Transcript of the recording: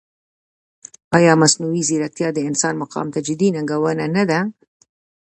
ایا مصنوعي ځیرکتیا د انسان مقام ته جدي ننګونه نه ده؟